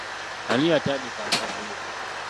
Ani yatandika akavuyo?